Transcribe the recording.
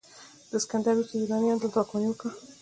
د اسکندر وروسته یونانیانو دلته واکمني وکړه